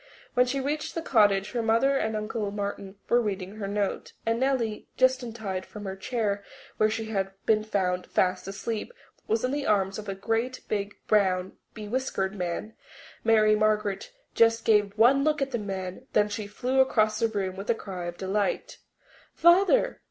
When she reached the cottage her mother and Uncle Martin were reading her note, and Nellie, just untied from the chair where she had been found fast asleep, was in the arms of a great, big, brown, bewhiskered man. Mary Margaret just gave one look at the man. Then she flew across the room with a cry of delight. "Father!"